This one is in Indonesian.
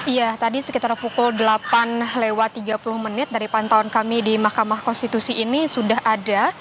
iya tadi sekitar pukul delapan lewat tiga puluh menit dari pantauan kami di mahkamah konstitusi ini sudah ada